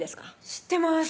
知ってます